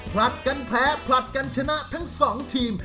ผลัดกันแพ้ผลัดกันชนะทั้ง๒ทีม